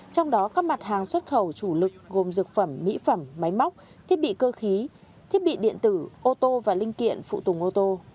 trong đó các mặt hàng xuất khẩu chủ lực gồm dược phẩm mỹ phẩm máy móc thiết bị cơ khí thiết bị điện tử ô tô và linh kiện phụ tùng ô tô